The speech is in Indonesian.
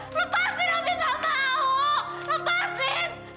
lepasin mpok gak mau lepasin